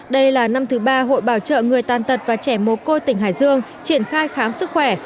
đây là năm thứ ba hội bảo trợ người tàn tật và trẻ mồ côi tỉnh hải dương triển khai khám sức khỏe